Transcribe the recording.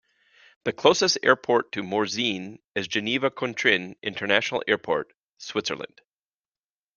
The closest airport to Morzine is Geneva Cointrin International Airport, Switzerland.